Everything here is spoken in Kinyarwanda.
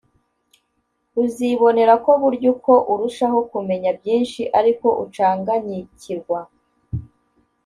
Uzibonera ko burya uko urushaho kumenya byinshi ariko ucanganyikirwa